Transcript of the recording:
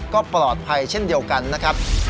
ก็ปลอดภัยเช่นเดียวกันนะครับ